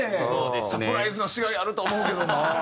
サプライズのしがいあると思うけどな。